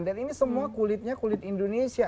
dan ini semua kulitnya kulit indonesia